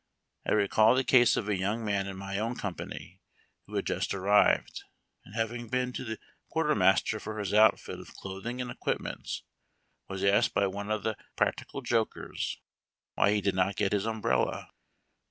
I recall the case of a j^oung man in my own company who had just arrived, and, having been to the quartermaster for his outfit of clothing and equipments, was asked by one of the prac tical jokers why he did not get his umbrella.